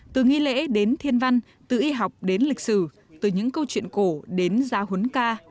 từ nghi lễ đến thiên văn từ y học đến lịch sử từ những câu chuyện cổ đến giáo huấn ca